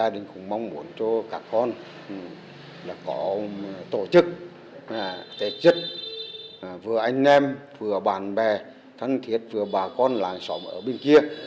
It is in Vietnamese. tết trước tết trước vừa anh em vừa bạn bè thân thiết vừa bà con làng xóm ở bên kia